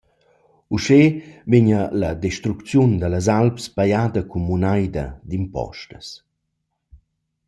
Uschè vegna la destrucziun da las alps pajada cun munaida d’impostas.